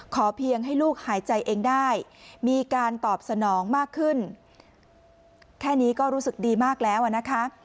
เพียงให้ลูกหายใจเองได้มีการตอบสนองมากขึ้นแค่นี้ก็รู้สึกดีมากแล้วอะนะคะ